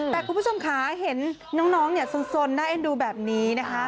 แต่คุณผู้ชมค่ะเห็นน้องเนี่ยสนน่าเอ็นดูแบบนี้นะคะ